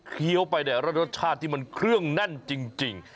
เคี้ยวไปได้แล้วรสชาติที่มันเครื่องแน่นจริง